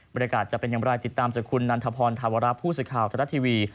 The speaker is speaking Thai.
บรรยากาศจะเป็นอย่างไรติดตามจากคุณนันทพรธาวราบผู้สิทธิ์ข่าวธรรมดาทีวี